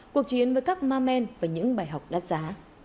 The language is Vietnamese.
cuộc chiến với các ma men và những bài học đắt giá